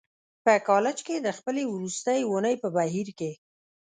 په کالج کې د خپلې وروستۍ اونۍ په بهیر کې